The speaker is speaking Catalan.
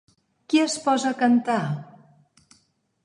Qui es posa a cantar?